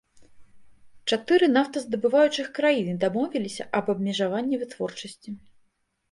Чатыры нафтаздабываючых краіны дамовіліся аб абмежаванні вытворчасці.